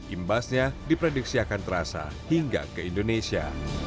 imbasnya diprediksi akan terasa hingga ke indonesia